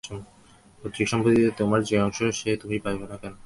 পৈতৃক সম্পত্তিতে তোমার যে অংশ সে তুমি পাইবে না কেন।